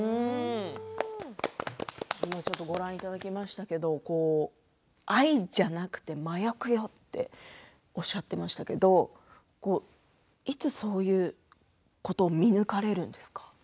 ご覧いただきましたけど愛じゃなくて麻薬よっておっしゃっていましたけどいつ、そういうことを見抜かれるんですか。